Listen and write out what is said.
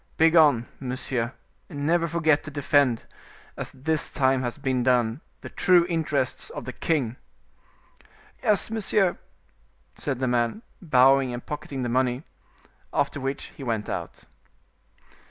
Begone, monsieur, and never forget to defend, as this time has been done, the true interests of the king." "Yes, monsieur," said the man, bowing and pocketing the money. After which he went out.